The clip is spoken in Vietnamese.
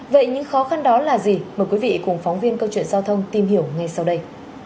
vậy những khó khăn đó là gì mời quý vị cùng phóng viên câu chuyện giao thông tìm hiểu ngay sau đây